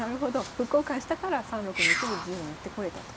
歩交換したから３六の位置に銀を持ってこれたと。